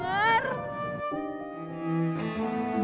kura kura gak denger